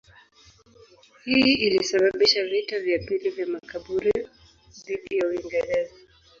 Hii ilisababisha vita vya pili vya Makaburu dhidi ya Uingereza.